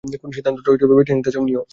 কোন সিদ্ধান্তটা বেছে নিতে চাও, নিও?